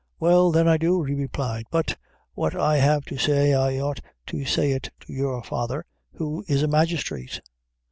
"Well, then, I do," he replied; "but! what I have to say, I ought to say it to your father, who is a magistrate."